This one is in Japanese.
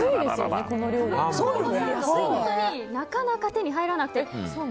これ、なかなか手に入らなくて。